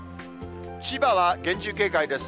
千葉は厳重警戒です。